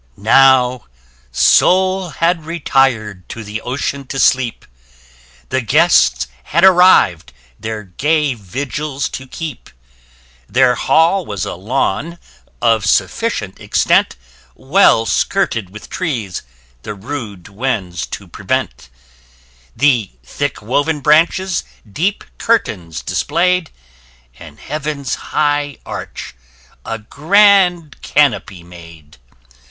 Now Sol had retir'd to the ocean to sleep: The Guests had arriv'd their gay vigils to keep Their hall was a lawn, of sufficient extent. Well skirted with trees, the rude winds to prevent: The thick woven branches deep curtains display'd; [p 10] And heaven's high arch a grand canopy made.